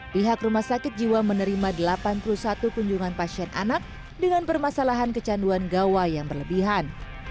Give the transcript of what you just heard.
pihak rumah sakit jiwa menerima delapan puluh satu kunjungan pasien anak dengan permasalahan kecanduan gawai yang berlebihan